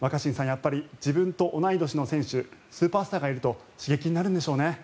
やっぱり自分と同い年の選手スーパースターがいると刺激になるんでしょうね。